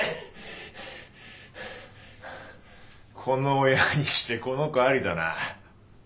この親にしてこの子ありだな。